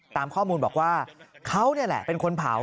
ตามข้อมูลบอกว่าเขานี่แหละเป็นคนเผา